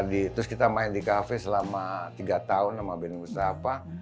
terus kita main di kafe selama tiga tahun sama benn mustafa